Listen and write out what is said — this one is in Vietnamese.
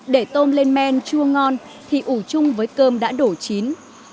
để tôm lên men chua ngon thì ủ chung với cơm đã đổ chín